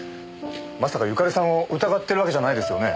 まさか由香利さんを疑ってるわけじゃないですよね？